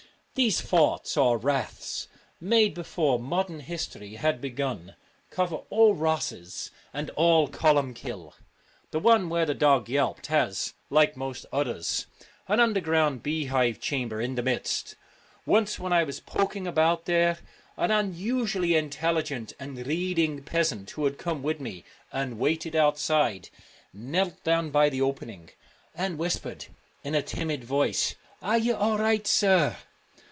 These forts or raths, made before modern history had begun, cover all Rosses and all Columkille. The one where the dog yelped has, like most others, an underground beehive chamber in the midst. Once when I was poking about there, an unusually intelligent and ' reading ' peasant who had come with me, and waited outside, knelt down by the 149 The opening, and whispered in a timid voice, Twilight. ' Are you all right, sir